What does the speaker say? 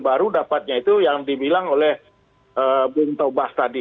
baru dapatnya itu yang dibilang oleh bung tobas tadi